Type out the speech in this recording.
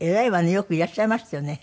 よくいらっしゃいましたよね。